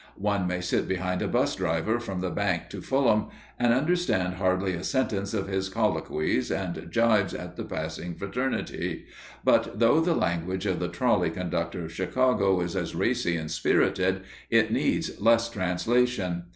One may sit behind a bus driver from the Bank to Fulham, and understand hardly a sentence of his colloquies and gibes at the passing fraternity, but though the language of the trolley conductor of Chicago is as racy and spirited, it needs less translation.